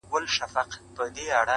• تله جومات ته بله ډله د زلميانو -